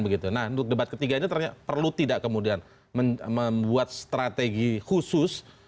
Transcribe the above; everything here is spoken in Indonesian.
nah untuk debat ketiga ini ternyata perlu tidak kemudian membuat strategi khusus